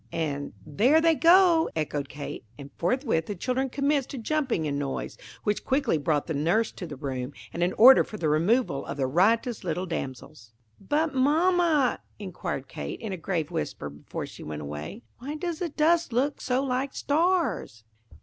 And, "There they go!" echoed Kate; and forthwith the children commenced a jumping and noise, which quickly brought the nurse to the room, and an order for the removal of the riotous little damsels. "But, Mamma," inquired Kate, in a grave whisper, before she went away, "why does the dust look so like stars?"